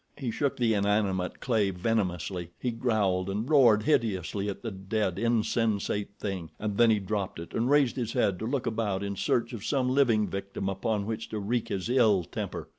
He shook the inanimate clay venomously. He growled and roared hideously at the dead, insensate thing, and then he dropped it and raised his head to look about in search of some living victim upon which to wreak his ill temper.